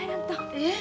えっ？